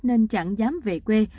nên chẳng dám về quê